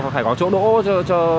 phải có chỗ đỗ cho